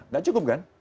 nggak cukup kan